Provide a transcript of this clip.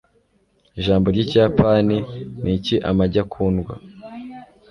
Ijambo ry'ikiyapani Niki Amagi akundwa